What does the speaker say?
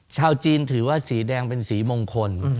ชาวจีนถือว่าสีแดงเป็นสีมงคล